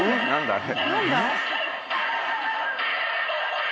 あれ。